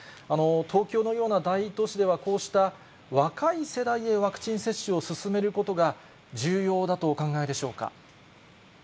東京のような大都市では、こうした若い世代へワクチン接種を進めることが重要だとお考えでしょうか。